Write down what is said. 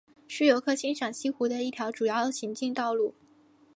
是游客欣赏西湖的一条主要行进道路。